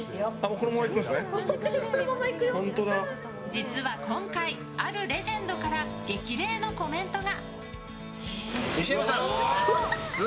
実は今回、あるレジェンドから激励のコメントが。